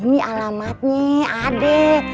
ini alamatnya adek